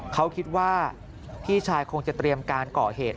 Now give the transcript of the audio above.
เขาคิดว่าพี่ชายคงจะเตรียมการก่อเหตุ